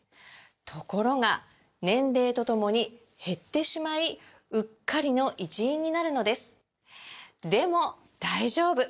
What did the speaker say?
ところが年齢とともに減ってしまいうっかりの一因になるのですでも大丈夫！